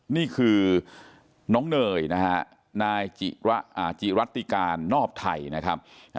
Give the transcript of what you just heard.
นี่คือน้องเนยนะฮะนายจิรัติการนอบไทยนะครับ